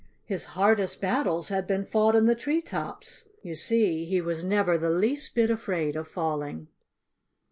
His hardest battles had been fought in the tree tops. You see, he was never the least bit afraid of falling.